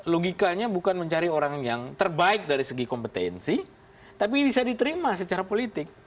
logikanya bukan mencari orang yang terbaik dari segi kompetensi tapi bisa diterima secara politik